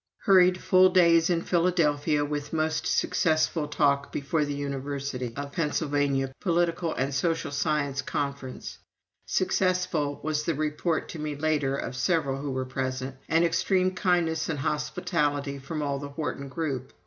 Hurried full days in Philadelphia, with a most successful talk before the University of Pennsylvania Political and Social Science Conference ("Successful," was the report to me later of several who were present), and extreme kindness and hospitality from all the Wharton group.